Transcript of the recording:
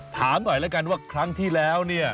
ถามหน่อยแล้วกันว่าครั้งที่แล้วเนี่ย